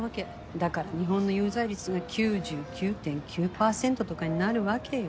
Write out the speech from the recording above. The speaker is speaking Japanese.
だから日本の有罪率が９９．９％とかになるわけよ。